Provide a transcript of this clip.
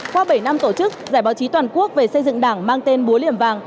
qua bảy năm tổ chức giải báo chí toàn quốc về xây dựng đảng mang tên búa liềm vàng